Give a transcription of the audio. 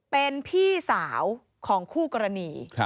เป็นพี่สาวของคู่กรณี